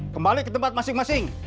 kembali ke tempat masing masing